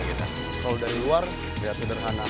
kalau dari luar lihat sederhana